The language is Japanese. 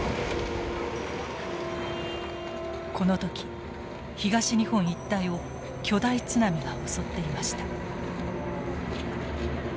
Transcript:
この時東日本一帯を巨大津波が襲っていました。